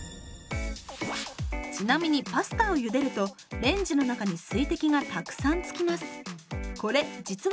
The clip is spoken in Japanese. ちなみにパスタをゆでるとレンジの中に水滴がたくさんつきます。